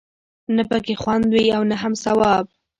نه پکې خوند وي او نه هم ثواب.